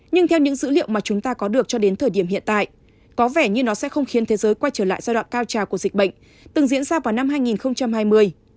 nhưng theo những dữ liệu mà chúng ta có được cho đến thời điểm hiện tại có vẻ như nó sẽ không khiến thế giới quay trở lại giai đoạn cao trào của dịch bệnh từng diễn ra vào năm hai nghìn hai mươi